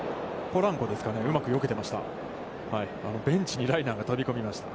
ポランコですかね、うまくよけてました。